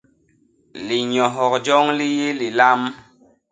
Linyohok joñ li yé lilam.